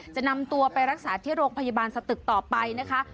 จะนำตัวไปรักษาที่โรงพยาบาลสตึกต่อไปนะคะ